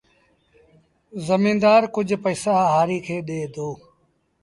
زميݩدآر ڪجھ پئيٚسآ هآريٚ کي ڏي دو